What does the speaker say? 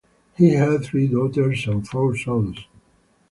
He had three daughters and four sons.